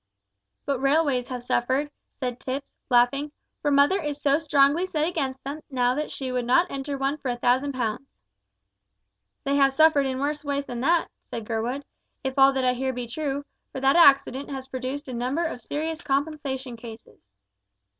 "But railways have suffered," said Tipps, laughing, "for mother is so strongly set against them now that she would not enter one for a thousand pounds." "They have suffered in worse ways than that," said Gurwood, "if all that I hear be true, for that accident has produced a number of serious compensation cases."